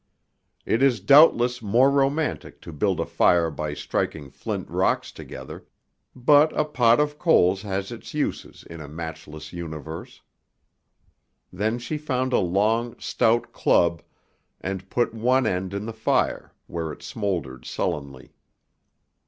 It is doubtless more romantic to build a fire by striking flint rocks together, but a pot of coals has its uses in a matchless universe. Then she found a long, stout club, and put one end in the fire, where it smouldered sullenly.